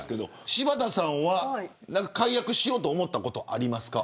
柴田さんは解約しようと思ったことありますか。